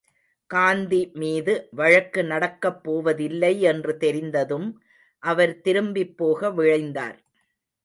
காந்தி மீது வழக்கு நடக்கப் போவதில்லை என்று தெரிந்ததும், அவர் திரும்பிப் போக விழைந்தார்.